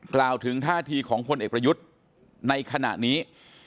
กล่าวถึงท่าทีของพลเอกประยุทธ์ในขณะนี้